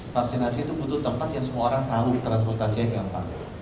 vaksinasi itu butuh tempat yang semua orang tahu transportasinya gampang